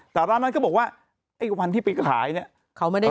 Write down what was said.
แต่ร้านนั้นก็บอกว่าไอ้วันที่ไปขายเนี่ย